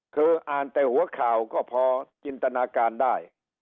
คืออ่านแต่หัวข่าวก็พอจินตนาการได้